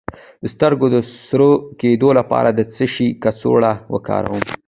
د سترګو د سره کیدو لپاره د څه شي کڅوړه وکاروم؟